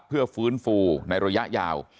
เพื่อฟื้นฟูในระยะยาว